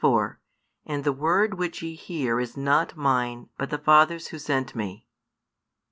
24 And the word which ye hear is not Mine but the Father's Who sent Me.